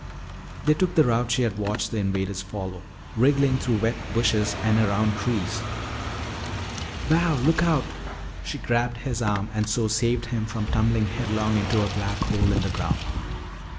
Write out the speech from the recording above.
They took the route she had watched the invaders follow, wriggling through wet bushes and around trees. "Val, look out!" She grabbed his arm and so saved him from tumbling headlong into a black hole in the ground.